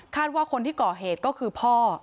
ว่าคนที่ก่อเหตุก็คือพ่อ